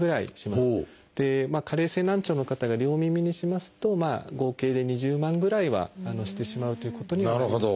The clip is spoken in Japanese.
加齢性難聴の方が両耳にしますと合計で２０万ぐらいはしてしまうということにはなります。